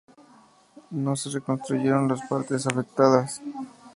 No se reconstruyeron las partes afectadas.